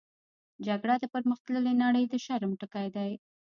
جګړه د پرمختللې نړۍ د شرم ټکی دی